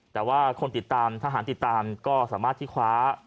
แต่ว่าคนติดตามทหารติดตามก็สามารถที่คว้า